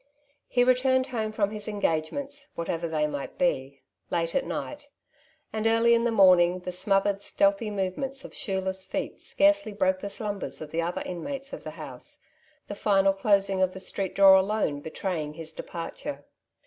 He returned home from his engagements, whatever they might be, late at night ; and early in the momiug the smothered, stealthy movements of shoeless feet scarcely broke the slumbers of the other inmates of the house, the final closing of the street door alone betraying his departure.